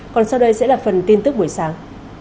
còn sau đây sẽ là phần tin tức buổi sáng